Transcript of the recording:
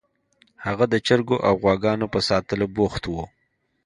هغه د چرګو او غواګانو په ساتلو بوخت و